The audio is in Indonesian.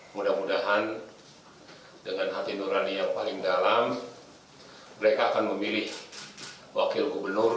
mudah mudahan dengan hati nurani yang paling dalam mereka akan memilih wakil gubernur